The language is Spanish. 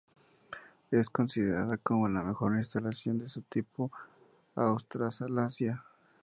Es considerada como la mejor instalación de su tipo en Australasia.